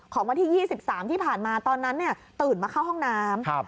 วันที่๒๓ที่ผ่านมาตอนนั้นตื่นมาเข้าห้องน้ำ